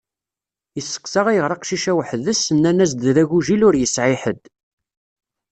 Iseqsa ayɣer aqcic-a weḥd-s, nnan-as d agujil ur yesɛi ḥedd.